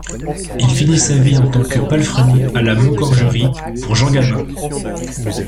Il finit sa vie en tant que palefrenier à La Moncorgerie pour Jean Gabin.